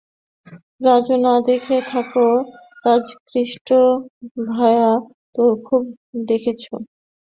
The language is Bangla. রাজু না দেখে থাকো, রাজকৃষ্ট ভায়া তো খুব দেখেচোঁ।